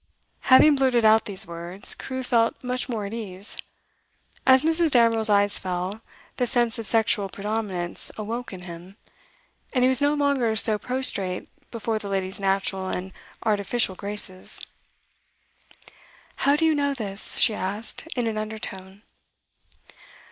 Having blurted out these words, Crewe felt much more at ease. As Mrs. Damerel's eyes fell, the sense of sexual predominance awoke in him, and he was no longer so prostrate before the lady's natural and artificial graces. 'How do you know this?' she asked, in an undertone.